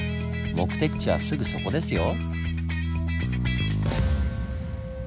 目的地はすぐそこですよ。